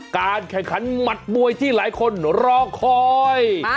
การแข่งขันหมัดมวยที่หลายคนรอคอย